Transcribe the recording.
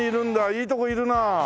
いいとこいるな。